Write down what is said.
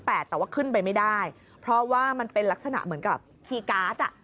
แต่ว่าขึ้นไปไม่ได้เพราะว่ามันเป็นลักษณะเหมือนกับคีย์การ์ดอ่ะ